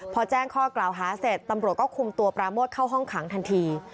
พอแจ้งข้อกล่าวหาเสร็จตำรวจก็คุมตัวปราโมทเข้าห้องขังทันที